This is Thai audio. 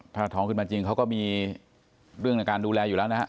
ถ้าท้องขึ้นมาจริงเขาก็มีเรื่องในการดูแลอยู่แล้วนะฮะ